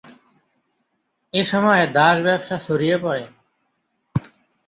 এসময় দাস ব্যবসা ছড়িয়ে পরে।